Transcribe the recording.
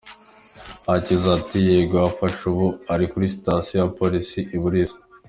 Hakiza ati“ Yego yafashwe ubu ari kuri station ya Police iri i Buliisa.